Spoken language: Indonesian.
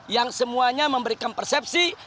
yang semuanya memberikan persepsi